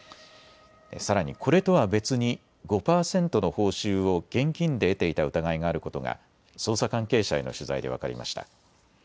さらにこれとは別に５％の報酬を現金で得ていた疑いがあることが捜査関係者への取材で分かりました。